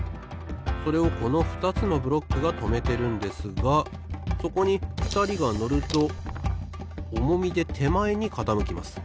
それをこのふたつのブロックがとめてるんですがそこにふたりがのるとおもみでてまえにかたむきます。